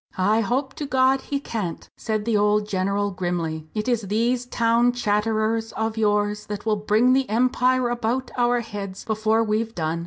"I hope to God he can't!" said the old general, grimly; "it is these town chatterers of yours that will bring the Empire about our heads before we've done.